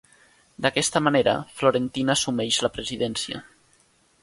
D'aquesta manera, Florentyna assumeix la presidència.